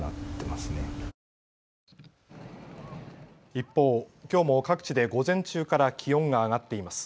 一方、きょうも各地で午前中から気温が上がっています。